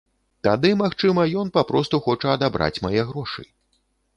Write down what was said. Тады, магчыма, ён папросту хоча адабраць мае грошы.